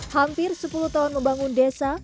hampir sepuluh tahun membangun desa